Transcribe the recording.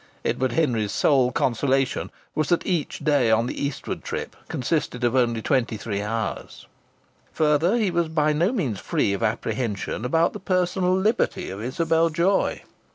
Edward Henry's sole consolation was that each day on the eastward trip consisted of only twenty three hours. Further, he was by no means free from apprehension about the personal liberty of Isabel Joy.